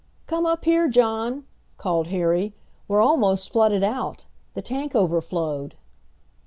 "Come up here, John!" called Harry; "we're almost flooded out. The tank overflowed."